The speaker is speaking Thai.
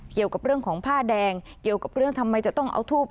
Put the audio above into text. เกี่ยวกับเรื่องของผ้าแดงเกี่ยวกับเรื่องทำไมจะต้องเอาทูบ